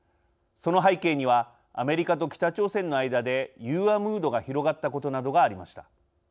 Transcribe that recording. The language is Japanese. その背景には、アメリカと北朝鮮の間で融和ムードが広がったことなどがありました。